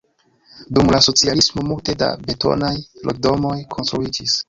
Dum la socialismo multe da betonaj loĝdomoj konstruiĝis.